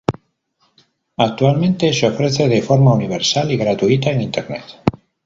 Actualmente se ofrece de forma universal y gratuita en internet.